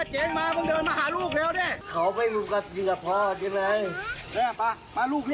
เจอกับพ่อให้จะเชื่อต่อไป